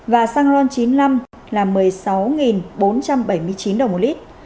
và xăng ron chín mươi năm là một mươi sáu bốn trăm bảy mươi chín đồng một lít